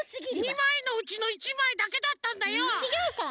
２まいのうちの１まいだけだったんだよ！ちがうから。